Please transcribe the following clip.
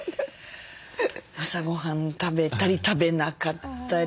朝ごはん食べたり食べなかったり。